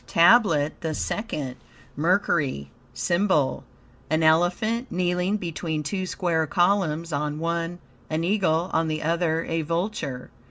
TABLET THE SECOND Mercury SYMBOL An elephant, kneeling between two square columns; on one an eagle, on the other a vulture.